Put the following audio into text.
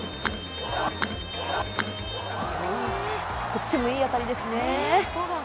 こっちもいい当たりですね。